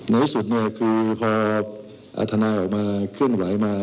ในที่สุดพออาธารณาขึ้นไหวมา